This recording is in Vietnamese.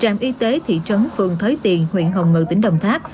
trạm y tế thị trấn phường thới tiền huyện hồng ngự tỉnh đồng tháp